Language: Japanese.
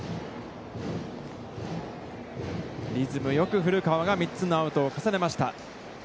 リズムよく古川が３つのアウトを重ねました。